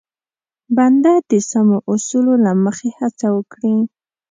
بنده د سمو اصولو له مخې هڅه وکړي.